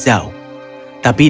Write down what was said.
tapi dia belum punya kawasan